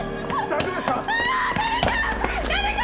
大丈夫ですか？